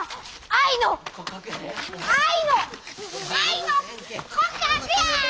愛の愛の告白や！